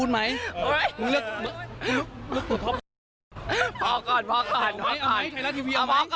ไหว